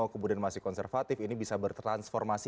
kemudian masih konservatif ini bisa bertransformasi